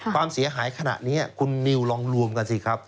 ความเสียหายขณะนี้คุณนิวลองรวมกันสิครับ